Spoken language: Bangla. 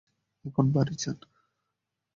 এখন বাড়ি যান।